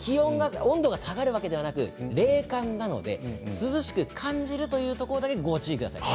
温度が下がるわけではなく冷感なので涼しく感じるというところでご注意ください。